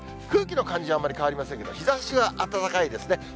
空気の感じはあまり変わりませんけど、日ざしは暖かいですね。